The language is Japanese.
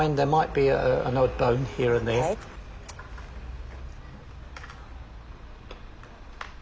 はい！